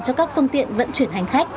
cho các phương tiện vận chuyển hành khách